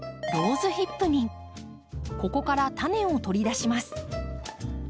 ここからタネを取り出します。